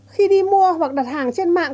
khi đi mua hoặc đặt hàng trên mạng